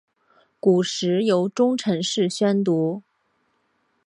古时由中臣式宣读。